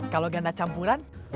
kalau ganda campuran